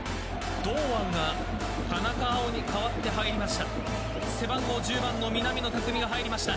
堂安が田中碧に代わって入りました。